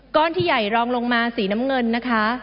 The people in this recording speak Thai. ที่ใหญ่รองลงมาสีน้ำเงินนะคะ